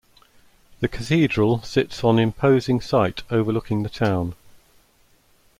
The Cathedral sits on imposing site overlooking the town.